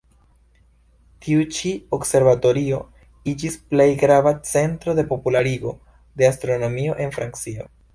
Tiu-ĉi observatorio iĝis plej grava centro de popularigo de astronomio en Francio.